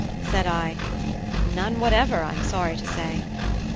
Said I: "None whatever, I am sorry to say."